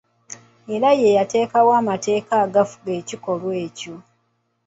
Era yateekawo amateeka agafuga ekikolwa ekyo.